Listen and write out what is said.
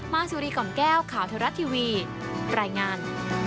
สุรีกล่อมแก้วข่าวเทวรัฐทีวีรายงาน